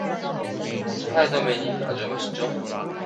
스파이더맨이 아주 멋있죠?